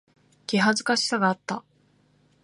気恥ずかしさがあった。